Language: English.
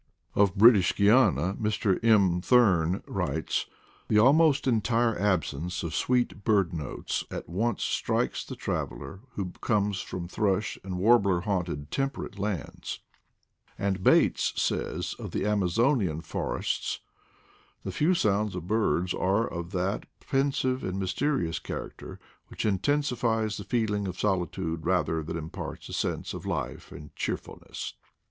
Of British Guiana, Mr. im Thurn writes, "The almost entire absence of sweet bird notes at once strikes the traveler who comes from thrush and warbler haunted temperate BIRD MUSIC IN SOUTH AMERICA 149 lands." And Bates says of the Amazonian for ests, "The few sounds of birds are of that pen sive and mysterious character which intensifies the feeling of solitude rather than imparts a sense of life and cheerfulness."